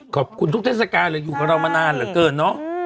ขอบคุณทุกเทศกาลเลยอยู่กับเรามานานเหลือเกินเนอะ